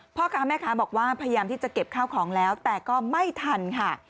พ่อค้าแม่ค้าบอกว่าพยายามที่จะเก็บข้าวของแล้วแต่ก็ไม่ทันค่ะ